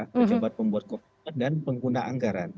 kecepatan pembuat kompetensi dan pengguna anggaran